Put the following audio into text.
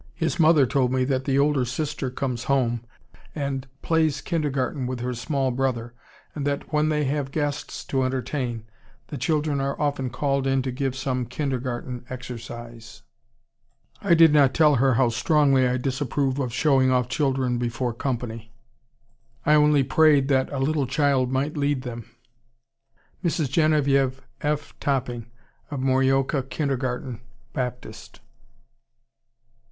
His mother told me that the older sister comes home and "plays kindergarten" with her small brother, and that, when they have guests to entertain, the children are often called in to give some kindergarten exercise. I did not tell her how strongly I disapprove of "showing off" children before company. I only prayed that "a little child might lead them." (Mrs. Genevieve F. Topping, of Morioka Kindergarten, Baptist.)